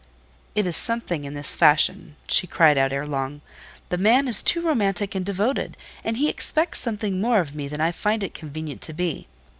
"It is something in this fashion," she cried out ere long: "the man is too romantic and devoted, and he expects something more of me than I find it convenient to be.